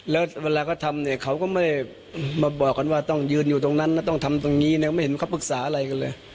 แล้วเวลาเขาทำเนี่ยเขาก็ไม่มาบอกกันว่าต้องยืนอยู่ตรงนั้นนะต้องทำตรงนี้นะไม่เห็นเขาปรึกษาอะไรกันเลย